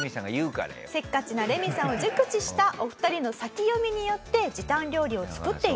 せっかちなレミさんを熟知したお二人の先読みによって時短料理を作っていたんです。